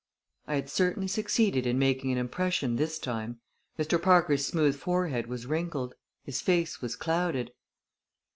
I had certainly succeeded in making an impression this time. Mr. Parker's smooth forehead was wrinkled; his face was clouded.